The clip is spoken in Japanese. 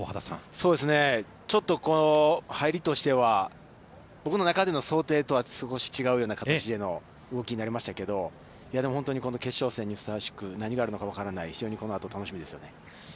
そうですね、ちょっと入りとしては、僕の中での想定とは少し違うような形での動きになりましたけど、本当に決勝戦にふさわしく、何があるのか分からない、非常にこの後、楽しみですよね。